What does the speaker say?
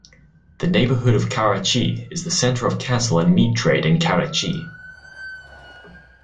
This neighbourhood of Karachi is the centre of cattle and meat trade in Karachi.